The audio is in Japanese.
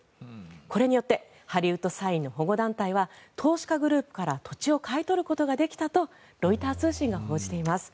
これによってハリウッド・サインの保護団体は投資家グループから土地を買い取ることができたとロイター通信が報じています。